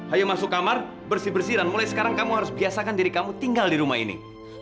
ayo masuk kamar bersih bersih dan mulai sekarang kamu harus biasakan diri kamu tinggal di rumah ini